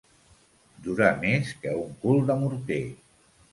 Durar més que un cul de morter.